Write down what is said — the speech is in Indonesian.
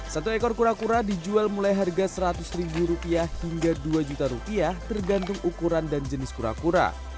satu ekor kura kura dijual mulai harga seratus ribu rupiah hingga dua juta rupiah tergantung ukuran dan jenis kura kura